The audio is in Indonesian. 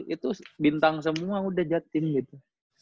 itu bintang semua udah jatim gitu